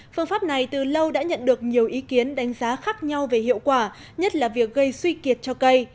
phương pháp này từ lâu đã nhận được nhiều ý kiến đánh giá khác nhau về hiệu quả nhất là việc gây suy kiệt cho cây